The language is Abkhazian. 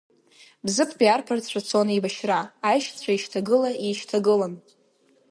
Бзыԥтәи арԥарцәа цон еибашьра, аишьцәа еишьҭагыла-еишьҭагылан…